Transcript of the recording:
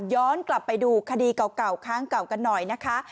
ย้อนกลับไปดูคดีเก่าค้างเก่ากันหน่อยนะคะ